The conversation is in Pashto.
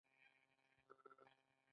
خلک په اسونو نښه وي.